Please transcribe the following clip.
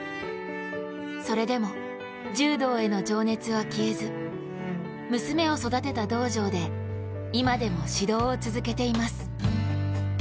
それでも柔道への情熱は消えず娘を育てた道場で今でも指導を続けています。